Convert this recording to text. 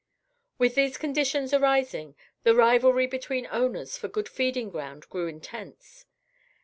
With these conditions arising, the rivalry between owners for good feeding ground grew intense.